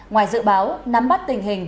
ngoài dự báo nắm bắt tình hình